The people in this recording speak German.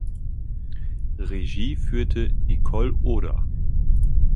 Regie führte Nicole Oder.